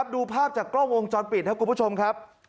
ดูภาพจากกล้องวงจรปิดครับคุณผู้ชมครับ